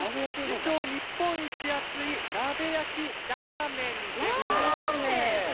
自称、日本一熱い鍋焼きラーメンです。